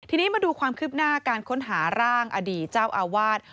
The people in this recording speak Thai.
ทีนี้มาดูความคืบหน้าการค้นหาร่างอดีตเจ้าอาวาส